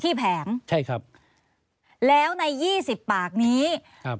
แผงใช่ครับแล้วในยี่สิบปากนี้ครับ